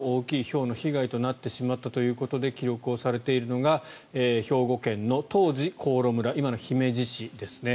それでもやっぱりそして、日本で最も大きいひょうの被害となってしまったということで記録をされているのが兵庫県の当時、香呂村今の姫路市ですね。